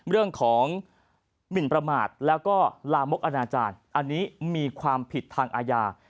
เรื่องของหมินประมาทแล้วก็ลามกอนาจารย์อันนี้มีความผิดทางอาญา